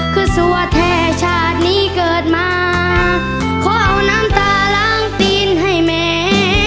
คือสัวแท้ชาตินี้เกิดมาขอเอาน้ำตาล้างตีนให้แม่